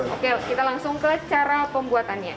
oke kita langsung ke cara pembuatannya